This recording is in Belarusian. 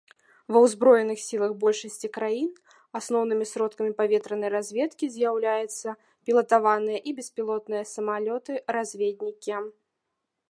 Ва ўзброеных сілах большасці краін асноўнымі сродкамі паветранай разведкі з'яўляецца пілатаваныя і беспілотныя самалёты-разведнікі.